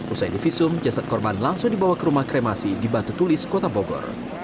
usai nefisum jasad korban langsung dibawa ke rumah kremasi dibantu tulis kota bogor